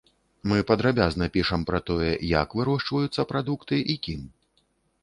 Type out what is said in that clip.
Мы падрабязна пішам пра тое, як вырошчваюцца прадукты і кім.